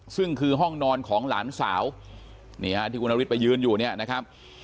ซึ่งคือห้องนอนของหลานสาวนี่ฮะที่คุณนฤทธิไปยืนอยู่เนี่ยนะครับ